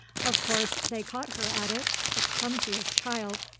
Of course they caught her at it the clumsiest child!